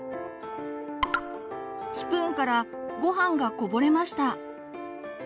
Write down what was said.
スプーンからごはんがこぼれました。